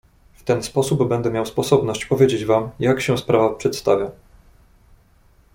"W ten sposób będę miał sposobność powiedzieć wam, jak się sprawa przedstawia."